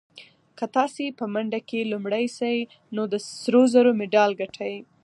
که تاسي په منډه کې لومړی شئ نو د سرو زرو مډال ګټئ.